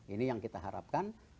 ini yang kita harapkan